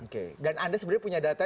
oke dan anda sebenarnya punya data